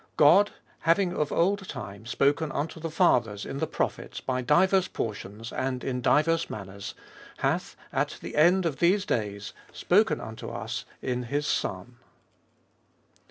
God, having of old time spoken unto the fathers in the prophets by divers portions and in divers manners, 2. Hath at the end of these days spoken unto us in his Son.